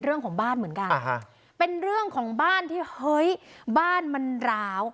เรื่องของบ้านเหมือนกันเป็นเรื่องของบ้านที่เฮ้ยบ้านมันร้าว